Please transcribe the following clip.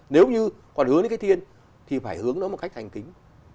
nếu như còn hướng đến cái thiên thì phải hướng nó một cách thành kính